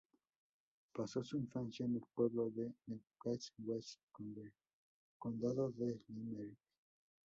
Pasó su infancia en el pueblo de Newcastle West, Condado de Limerick´.